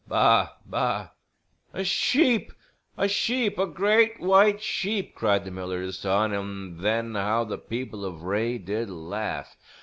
Baa, baa!" "A sheep, a sheep, a great white sheep!" cried the miller's son; and then how the people of Wraye did laugh!